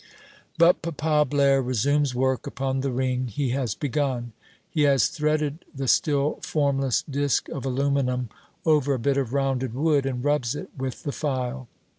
But Papa Blaire resumes work upon the ring he has begun. He has threaded the still formless disc of aluminium over a bit of rounded wood, and rubs it with the file.